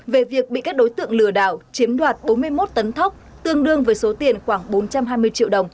về việc bị các đối tượng lừa đảo chiếm đoạt bốn mươi một tấn thóc tương đương với số tiền khoảng bốn trăm hai mươi triệu đồng